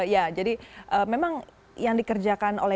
ya jadi memang yang dikerjakan oleh